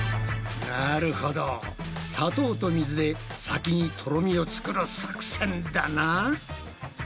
なるほど砂糖と水で先にとろみを作る作戦だな。